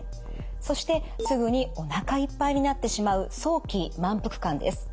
そしてすぐにおなかいっぱいになってしまう早期満腹感です。